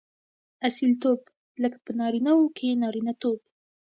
اصیلتوب؛ لکه په نارينه وو کښي نارينه توب.